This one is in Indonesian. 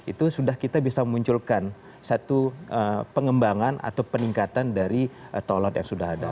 itu sudah kita bisa memunculkan satu pengembangan atau peningkatan dari tolon yang sudah ada